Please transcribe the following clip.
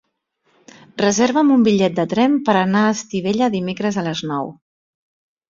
Reserva'm un bitllet de tren per anar a Estivella dimecres a les nou.